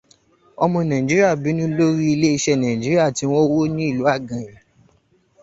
Ọmọ Nàìjíríà bínu lórí iléeṣẹ́ Nàìjíríà tí wọ́n wó ní ìlú Àgànyìn.